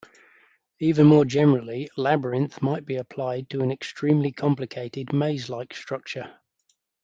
Even more generally, "labyrinth" might be applied to any extremely complicated maze-like structure.